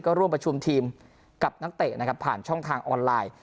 ร่วมประชุมทีมกับนักเตะนะครับผ่านช่องทางออนไลน์